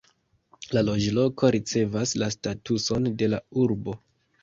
La loĝloko ricevas la statuson de la urbo.